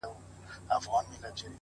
وجود پرېږدمه د وخت مخته به نڅا کومه;